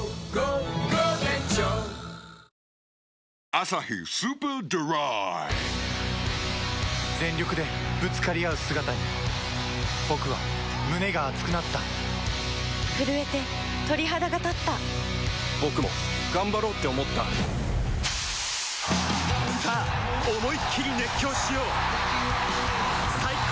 「アサヒスーパードライ」全力でぶつかり合う姿に僕は胸が熱くなった震えて鳥肌がたった僕も頑張ろうって思ったさあ思いっきり熱狂しよう最高の渇きにＤＲＹ